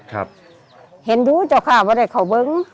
เห็นรู้เจ้าค่ะว่าได้เขาเบิ้ง